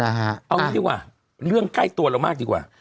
เอางี้ดีกว่าเรื่องใกล้ตัวเรามากดีกว่า